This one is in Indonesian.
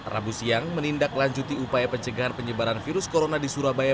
rabu siang menindaklanjuti upaya pencegahan penyebaran virus corona di surabaya